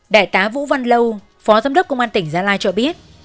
đại tá vũ văn lâu phó giám đốc công an tỉnh gia lai cho biết